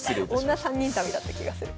女３人旅だった気がする。